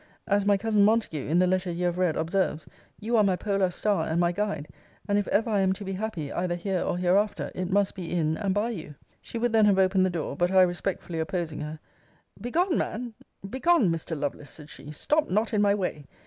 As my cousin Montague, in the letter you have read, observes, You are my polar star and my guide, and if ever I am to be happy, either here or hereafter, it must be in and by you. She would then have opened the door. But I, respectfully opposing her, Begone, man! Begone, Mr. Lovelace! said she, stop not in my way.